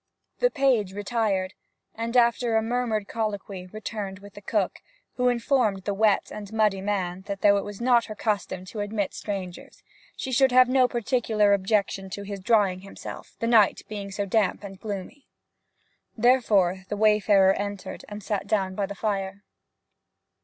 The page retired, and after a murmured colloquy returned with the cook, who informed the wet and muddy man that though it was not her custom to admit strangers, she should have no particular objection to his drying himself; the night being so damp and gloomy. Therefore the wayfarer entered and sat down by the fire.